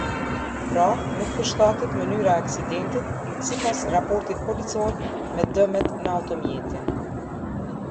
Pra, nuk përshtatet mënyra e aksidentit, sipas raportit policor, me dëmet në automjetin.